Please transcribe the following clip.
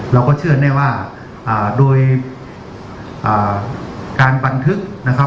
เราก็เชื่อแน่ว่าโดยการบันทึกนะครับ